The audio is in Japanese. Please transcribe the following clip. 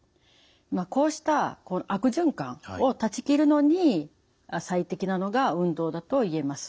こうした悪循環を断ち切るのに最適なのが運動だと言えます。